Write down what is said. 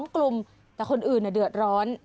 ๒กลุ่มแต่คนอื่นเดือดร้อน